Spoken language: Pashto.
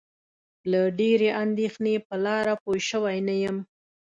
له ډېرې اندېښنې په لاره پوی شوی نه یم.